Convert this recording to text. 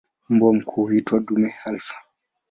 Mbwa mkuu huitwa "dume alfa".